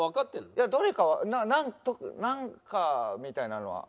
いやどれかはなんかみたいなのは。